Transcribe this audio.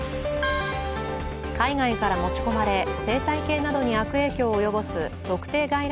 海外から持ち込まれ、生態系などに悪影響を及ぼす特定外来